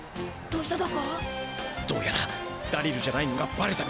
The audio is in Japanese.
どうしただ？